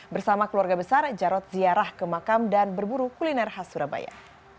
bersama keluarga besar jarod ziarah ke makam dan berburu kuliner khas surabaya